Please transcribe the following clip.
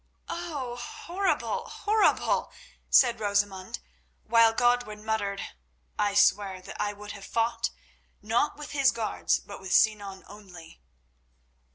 '" "Oh! horrible, horrible!" said Rosamund; while Godwin muttered: "I swear that I would have fought, not with his guards, but with Sinan only."